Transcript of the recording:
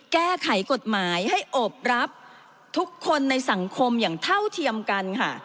แก้ไขกฎหมายให้โอบรับทุกคนในสังคมอย่างเท่าเทียมกันค่ะ